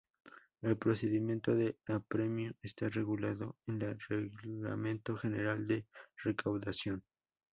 El procedimiento de apremio está regulado en el Reglamento General de Recaudación.